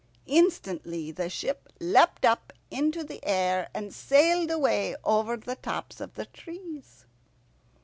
Instantly the ship leapt up into the air, and sailed away over the tops of the trees.